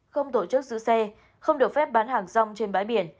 không tổ chức giữ xe không được phép bán hàng rong trên bãi biển